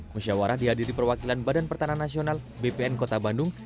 mesyawarah dihadiri perwakilan badan pertanah nasional bpn kota bandung